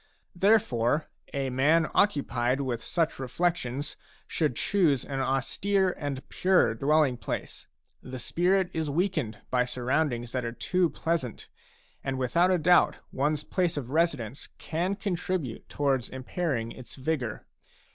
Therefore, a man occupied with such reflections should choose an austere and pure dwelling place. The spirit is weakened by surroundings that are too pleasant, and without a doubt one's place of residence can contribute towards impairing its vigour.